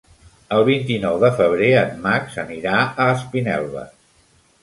El vint-i-nou de febrer en Max anirà a Espinelves.